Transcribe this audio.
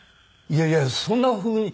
いやいやそんなふうに。